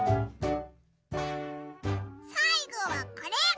さいごはこれ！